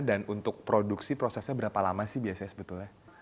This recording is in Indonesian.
dan untuk produksi prosesnya berapa lama sih biasanya sebetulnya